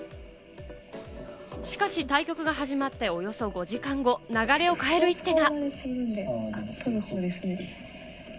しかし、対局が始まっておよそ５時間後、流れを変える一手が！